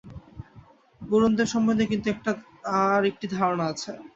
বরুণদেব সম্বন্ধে কিন্তু আর একটি ধারণা আছে।